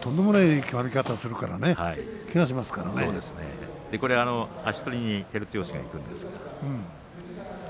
とんでもないきまり方をするから足取りに照強がいくんですが。